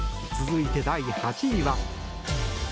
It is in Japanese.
続いて、第８位は。